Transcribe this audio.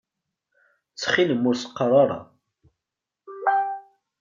Ttxil-m ur s-qqaṛ ara.